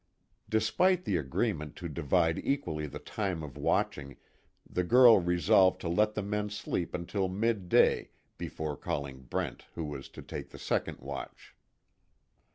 Despite the agreement to divide equally the time of watching, the girl resolved to let the men sleep until mid day before calling Brent who was to take the second watch.